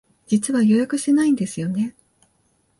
実は予約してないんですよね。